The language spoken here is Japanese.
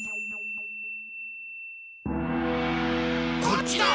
こっちだ！